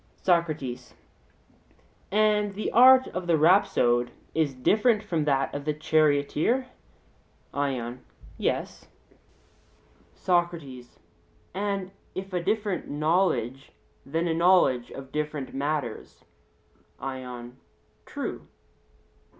SOCRATES: And the art of the rhapsode is different from that of the charioteer? ION: Yes. SOCRATES: And if a different knowledge, then a knowledge of different matters? ION: True.